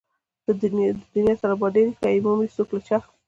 د دنيا طالبان ډېر دي که يې مومي څوک له چا